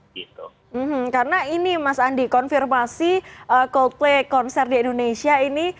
karena ini mas andi konfirmasi coldplay konser di indonesia ini